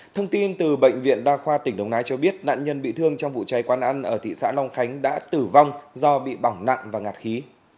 thông tin từ bệnh viện đa khoa tỉnh đồng nai cho biết nạn nhân bị thương trong vụ cháy quán ăn ở thị xã long khánh đã tử vong do bị bỏng nặng và ngạt khí